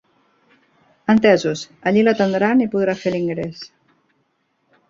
Entesos, allí l'atendran i podrà fer l'ingrés.